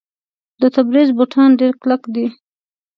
د تبریز بوټان ډیر کلک دي.